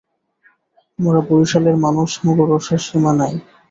মোরা বরিশালের মানুষ মোগো রসের সীমা নাই।